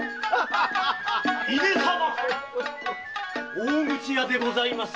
大口屋でございます。